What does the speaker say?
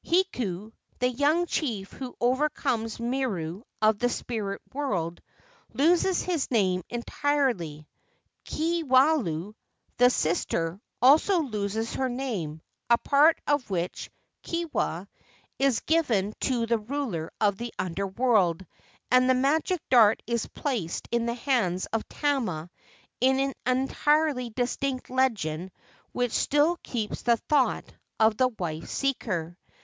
Hiku, the young chief who overcomes Miru of the spirit world, loses his name entirely. Kewalu, the sister, also loses her name, a part of which, Kewa, is given to the ruler of the Under world, and the magic dart is placed in the hands of Tama in an entirely distinct legend which still keeps the thought of the wife seeker.